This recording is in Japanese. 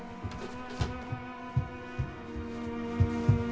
はい。